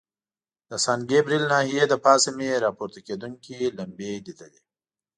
د سان ګبریل ناحیې له پاسه مې را پورته کېدونکي لمبې لیدلې.